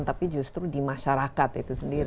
tapi justru di masyarakat itu sendiri